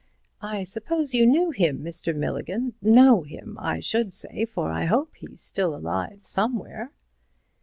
I suppose you knew him, Mr. Milligan—know him, I should say, for I hope he's still alive somewhere."